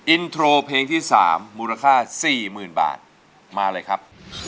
อินโทรเพลงที่สามมูลค่าสี่หมื่นบาทมาเลยครับ